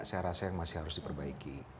saya rasa yang masih harus diperbaiki